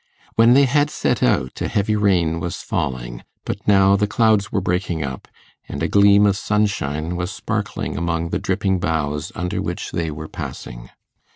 When they had set out, a heavy rain was falling; but now the clouds were breaking up, and a gleam of sunshine was sparkling among the dripping boughs under which they were passing.